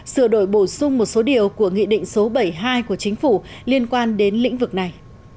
sửa đổi bổ sung một số điều của nghị định số bảy mươi hai của chính phủ liên quan đến lĩnh vực này